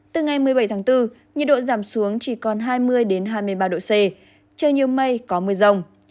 từ ngày một mươi bảy tháng bốn nhiệt độ giảm xuống chỉ còn hai mươi hai mươi ba độ c trời nhiều mây có mưa rông